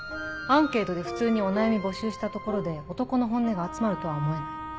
アンケートで普通にお悩み募集したところで男の本音が集まるとは思えない。